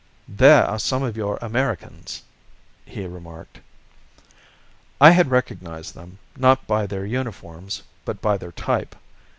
"There are some of your Americans," he remarked. I had recognized them, not by their uniforms but by their type.